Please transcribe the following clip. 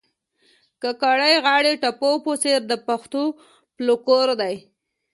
کاکړۍ غاړي ټپو په څېر د پښتو فولکور دي